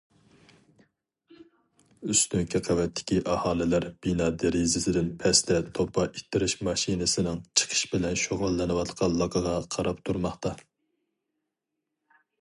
ئۈستۈنكى قەۋەتتىكى ئاھالىلەر بىنا دېرىزىسىدىن پەستە توپا ئىتتىرىش ماشىنىسىنىڭ چېقىش بىلەن شۇغۇللىنىۋاتقانلىقىغا قاراپ تۇرماقتا.